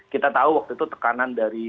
kita tahu waktu itu tekanan dari